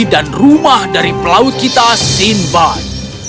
dan rumah dari pelaut kita sinbad